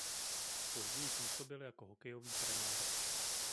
Později působil jako hokejový trenér.